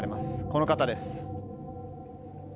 この方です。